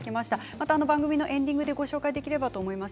また番組のエンディングでご紹介できればと思います。